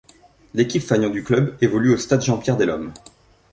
L'équipe fanion du club évolue au stade Jean-Pierre-Delhomme.